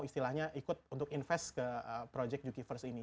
istilahnya ikut untuk invest ke project uki first ini